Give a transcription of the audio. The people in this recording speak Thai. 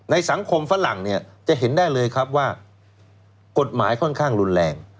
สังคมฝรั่งเนี่ยจะเห็นได้เลยครับว่ากฎหมายค่อนข้างรุนแรง